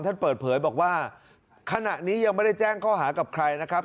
ท่านเปิดเผยบอกว่าขณะนี้ยังไม่ได้แจ้งข้อหากับใครนะครับ